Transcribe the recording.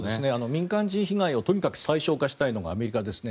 民間人被害をとにかく最小化したいのがアメリカですね。